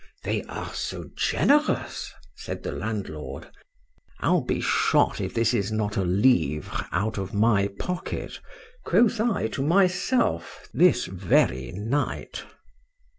—They are so generous, said the landlord.—I'll be shot if this is not a livre out of my pocket, quoth I to myself, this very night.